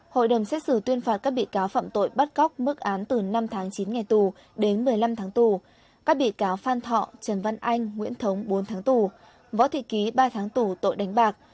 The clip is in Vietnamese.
hội đồng xét xử tuyên phạt các bị cáo phạm tội bắt cóc mức án từ năm tháng chín ngày tù đến một mươi năm tháng tù các bị cáo phan thọ trần văn anh nguyễn thống bốn tháng tù võ thị ký ba tháng tù tội đánh bạc